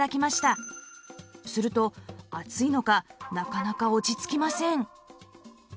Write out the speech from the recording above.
すると暑いのかなかなか落ち着きません